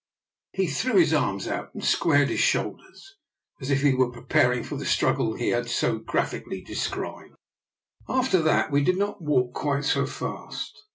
He threw his arms out and squared his DR. NIKOLA'S EXPERIMENT. n shoulders as if he were preparing for the struggle he had so graphically described. After that we did not walk quite so fast.